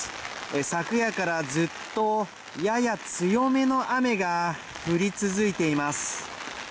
昨夜からずっと、やや強めの雨が降り続いています。